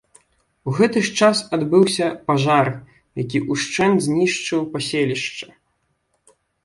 У гэты ж час адбыўся пажар, які ўшчэнт знішчыў паселішча.